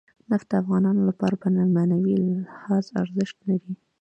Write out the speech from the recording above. نفت د افغانانو لپاره په معنوي لحاظ ارزښت لري.